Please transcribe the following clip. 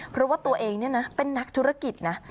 เพราะว่าตัวเองเป็นนักธุรกิจนะ